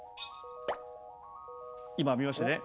今見ましたね。